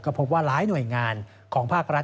พบว่าหลายหน่วยงานของภาครัฐ